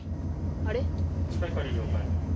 あれ？